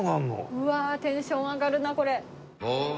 うわあテンション上がるなこれ。